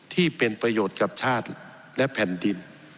ที่เป็นประโยชน์กับชาติและแผ่นดิน